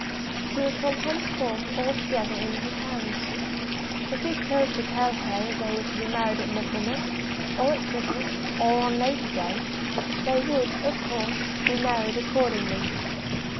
She was from henceforth altogether in his hands. If he chose to tell her that they were to be married at Michaelmas, or at Christmas, or on Lady Day, they would, of course, be married accordingly.